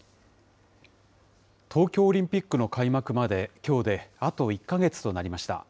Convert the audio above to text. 東京オリンピックの開幕まで、きょうであと１か月となりました。